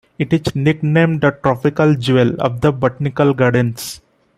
It is nicknamed the "tropical jewel" of the Botanical Gardens.